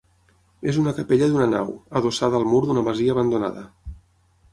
És una capella d'una nau, adossada al mur d'una masia abandonada.